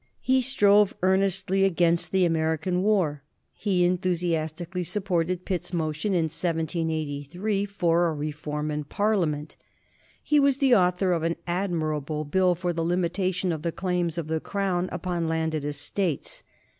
He strove earnestly against the American war. He enthusiastically supported Pitt's motion in 1783 for a reform in Parliament. He was the author of an admirable Bill for the Limitation of the Claims of the Crown upon Landed Estates.